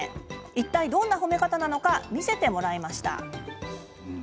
いったいどんな褒め方なのか見せてもらいました。